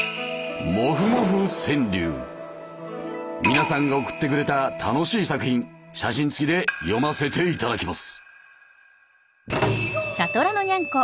皆さんが送ってくれた楽しい作品写真付きで読ませていただきます。